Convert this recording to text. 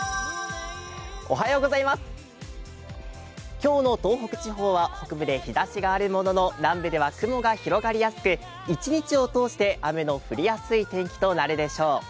今日の東北地方では北部で日ざしがあるものの、南部では雲が広がりやすく、一日を通して雨が降りやすい天気となるでしょう。